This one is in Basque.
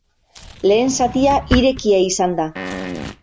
Lehen zatia irekia izan da.